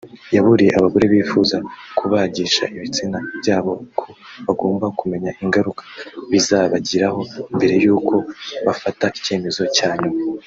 yaburiye abagore bifuza kubagisha ibitsina byabo ko bagomba kumenya ingaruka bizabagiraho mbere y’uko bafata icyemezo cya nyuma